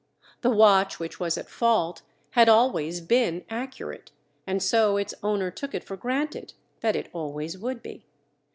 The watch which was at fault had always been accurate and so its owner took it for granted that it always would be.